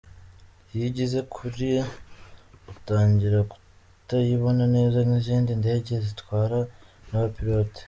Iyo igeze kure utangira kutayibona neza nk'izindi ndege zitwarwa n'abapilote.